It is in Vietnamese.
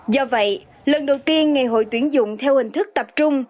do vậy lần đầu tiên ngày hội tuyển dụng theo hình thức tập trung